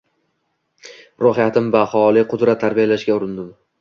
Ruhiyatim baholi qudrat tarbiyalashga urindim.